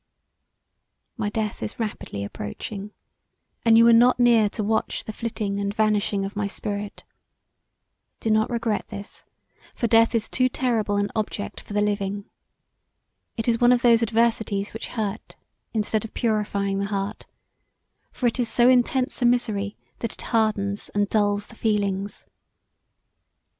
My death is rapidly approaching and you are not near to watch the flitting and vanishing of my spirit. Do no[t] regret this; for death is a too terrible an object for the living. It is one of those adversities which hurt instead of purifying the heart; for it is so intense a misery that it hardens & dulls the feelings.